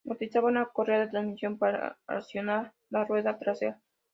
Utilizaba una correa de transmisión para accionar la rueda trasera.